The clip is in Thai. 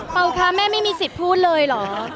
คะแม่ไม่มีสิทธิ์พูดเลยเหรอ